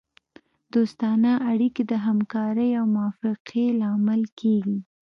دوستانه اړیکې د همکارۍ او موافقې لامل کیږي